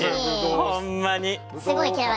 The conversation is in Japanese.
ほんまに！